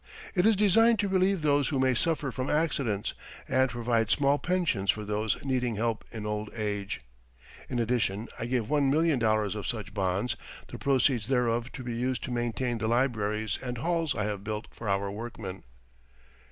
It is designed to relieve those who may suffer from accidents, and provide small pensions for those needing help in old age. In addition I give one million dollars of such bonds, the proceeds thereof to be used to maintain the libraries and halls I have built for our workmen.